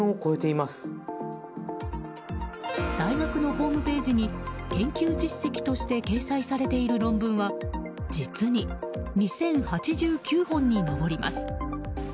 大学のホームページに研究実績として掲載されている論文は実に２０８９本に上ります。